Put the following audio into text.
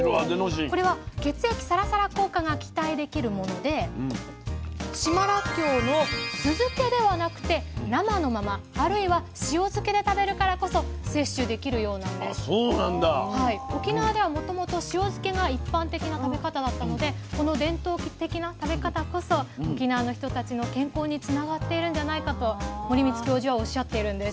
これは血液サラサラ効果が期待できるもので島らっきょうを沖縄ではもともと塩漬けが一般的な食べ方だったのでこの伝統的な食べ方こそ沖縄の人たちの健康につながっているんじゃないかと森光教授はおっしゃっているんです。